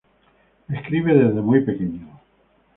Escribe desde muy pequeño.